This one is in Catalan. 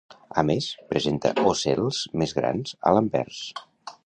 A més, presenta ocels més grans a l'anvers.